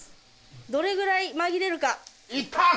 どれぐらい紛れるか？